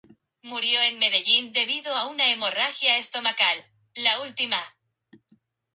Murió en Medellín debido a una hemorragia estomacal.